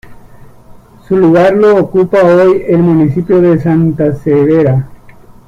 Su lugar lo ocupa hoy el municipio de Santa Severa.